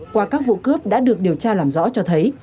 qua các vụ cướp đã được điều tra làm rõ cho thấy